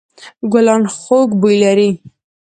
ګلان خوږ بوی لري.